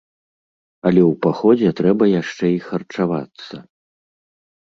Але ў паходзе трэба яшчэ і харчавацца!